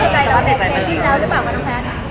คิดละหรือเปล่ากับน้องแพทย์